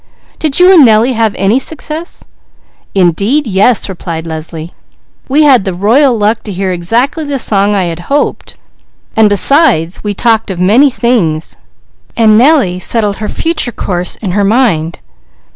"Did you and Nellie have any success?" "Indeed yes! We had the royal luck to hear exactly the song I had hoped; and besides we talked of many things and Nellie settled her future course in her mind.